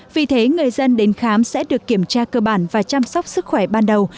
vì thế người dân đến khám sẽ được kiểm tra cơ bản và chăm sóc sức khỏe ban đầu